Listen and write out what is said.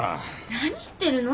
何言ってるの？